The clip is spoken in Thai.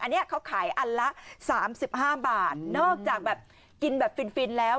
อันนี้เขาขายอันละ๓๕บาทนอกจากแบบกินแบบฟินฟินแล้ว